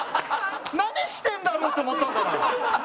何してんだろうって思ったんだから。